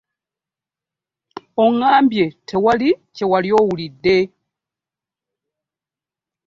Oŋŋambye tewali kye wali owulidde?